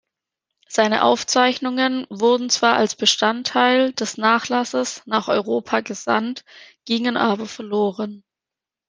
Seine Aufzeichnungen wurden zwar als Bestandteil des Nachlasses nach Europa gesandt, gingen aber verloren.